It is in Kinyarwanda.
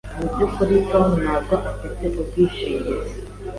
Mubyukuri, Tom ntabwo afite ubwishingizi.